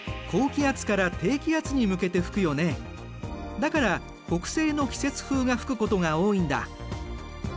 だから北西の季節風が吹くことが多いんだ。